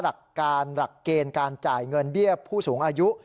หลักการหลักเกณฑ์การจ่ายเงินเบี้ยผู้สูงอายุ